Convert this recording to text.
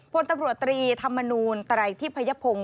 พลตำรวจตรีธรรมนูลไตรทิพยพงศ์